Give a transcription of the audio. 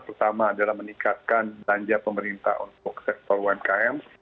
pertama adalah meningkatkan belanja pemerintah untuk sektor umkm